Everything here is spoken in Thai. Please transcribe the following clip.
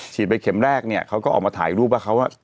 ฉีดใบเข็มแรกเขาก็ออกมาถ่ายรูปว่าเขา